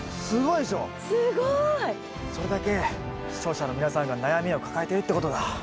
すごい！それだけ視聴者の皆さんが悩みを抱えてるってことだ。